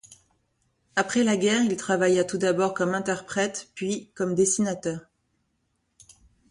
Après la guerre, il travailla tout d'abord comme interprète, puis comme dessinateur.